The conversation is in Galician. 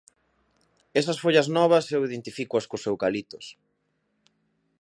Esas follas novas eu identifícoas cos eucaliptos.